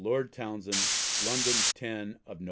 LORD TOWNSHEND, _London, 10 of Nov.